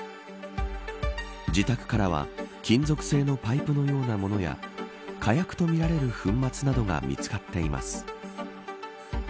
自宅からは金属製のパイプのようなものや火薬とみられる粉末などが見つかっています。